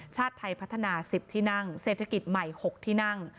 ชาติไทยพัฒนา๑๐ที่นั่งเศรษฐกิจใหม่๖ที่นั่ง